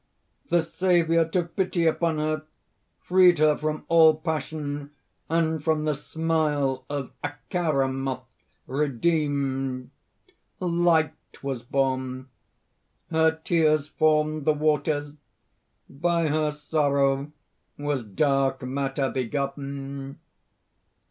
The Saviour took pity upon her, freed her from all passion; and from the smile of Acharamoth redeemed, light was born; her tears formed the waters; by her sorrow was dark matter begotten.